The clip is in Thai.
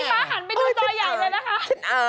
พี่ม๊าหันไปดูจอใหญ่ด้วยนะคะ